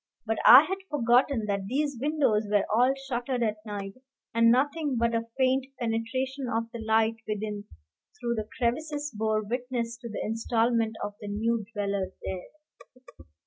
But I had forgotten that these windows were all shuttered at night; and nothing but a faint penetration of the light within through the crevices bore witness to the installment of the new dweller there.